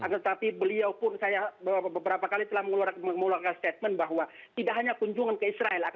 tetapi beliau pun saya beberapa kali telah mengeluarkan statement bahwa tidak hanya kunjungan ke israel